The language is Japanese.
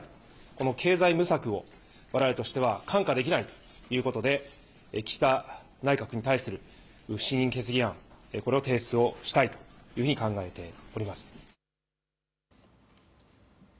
この経済無策をわれわれとしては看過できないということで岸田内閣に対する不信任決議案、これを提出したいというふうに考えております。